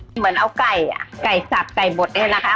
เหมือนเอาไก่ไก่สับไก่หมดนี่แหละค่ะ